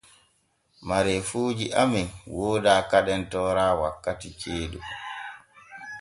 Mareefuuji amen wooda kadem toora wakkiti jeeɗu.